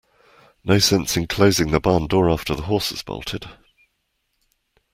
No sense closing the barn door after the horse has bolted.